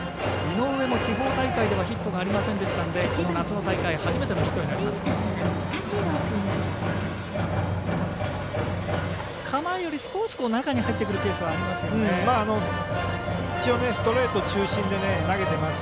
井上も地方大会ではヒットがありませんでしたのでこの夏の大会初めてのヒットになります。